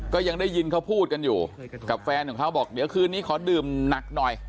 ก็ยังได้ยินเขาพูดกันอยู่กับแฟนของเขาบอกเดี๋ยวคืนนี้ขอดื่มหนักหน่อย